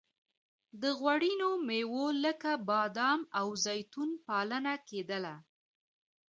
د غوړینو میوو لکه بادام او زیتون پالنه کیدله.